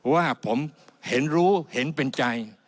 ว่าผมเห็นรู้เห็นเป็นใจ